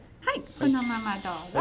このままどうぞ。